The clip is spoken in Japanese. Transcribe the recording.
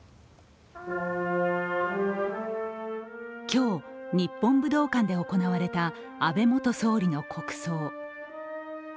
今日、日本武道館で行われた安倍元総理の国葬。